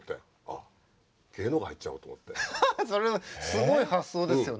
それもすごい発想ですよね。